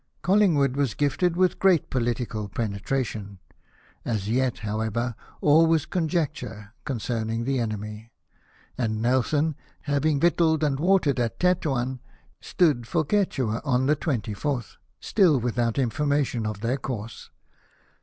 Ooliingwood \\'as giti«'il wiiL grt.Lii polititul pene tration. As yet, however, all was conjecture con cerning the enemy ; and Nelson, having victualled and watered at Tetuan, stood for Ceuta on the 24th, still without information of their course.